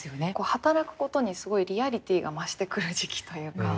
働くことにすごいリアリティーが増してくる時期というか。